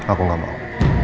aku gak mau